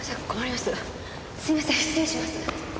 すいません失礼します。